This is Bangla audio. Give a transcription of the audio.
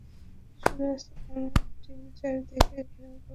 সুরাজ, আমার টিম চারদিক ঘেরাও করবে।